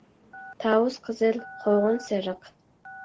تاۋۇز قىزىل قوغۇن سېرىق